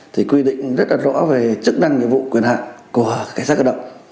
thì quy định rất rõ về chức năng nhiệm vụ quyền hạng của cảnh sát cơ động